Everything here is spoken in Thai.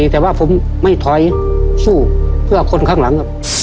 แต่ว่าผมไม่ถอยสู้เพื่อคนข้างหลังครับ